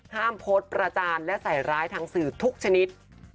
โพสต์ประจานและใส่ร้ายทางสื่อทุกชนิด